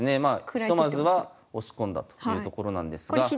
ひとまずは押し込んだというところなんですが。